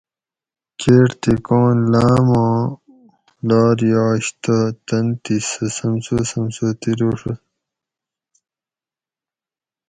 کیٹ تھی کون لاماں لار یاش تہ تن تھی سہ سمسو سمسو تِلوڛوت